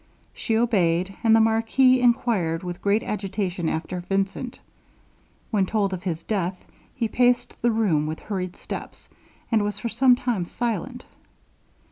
She obeyed, and the marquis enquired with great agitation after Vincent. When told of his death, he paced the room with hurried steps, and was for some time silent.